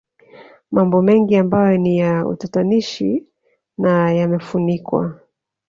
Mambo mengi ambayo ni ya utatanishi na yamefunikwa